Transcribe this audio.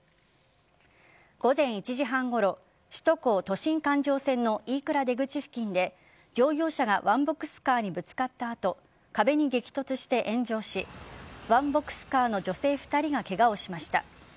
午前１時半ごろ首都高・都心環状線の飯倉出口付近で乗用車がワンボックスカーにぶつかった後壁に激突して炎上しワンボックスカーの女性２人がケガをしました。